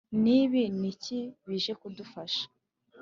Nk’ibi ni iki bije kudufasha